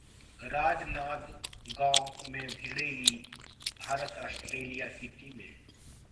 राजनांदगांव में भिड़ेंगी भारत ऑस्ट्रेलिया की टीमें